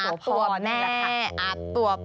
อาร์ตตัวแม่อาร์ตตัวพ่อ